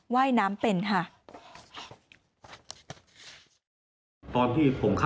ว่ายน้ำเป็นค่ะ